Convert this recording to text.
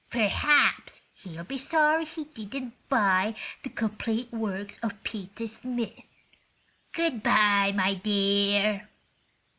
Perhaps he'll be sorry he didn't buy the 'Complete Works of Peter Smith.' Good by, my dear."